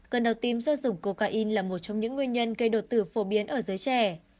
cơn đau tim do dùng cocaine là một trong những nguyên nhân gây đột tử phổ biến ở giới trẻ